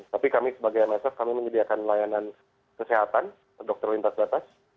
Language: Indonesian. tapi kami sebagai msf kami menyediakan layanan kesehatan dokter lintas batas